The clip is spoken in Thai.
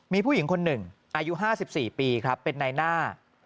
มีผู้หญิงคนหนึ่งอายุ๕๔ปีครับเป็นนายหน้า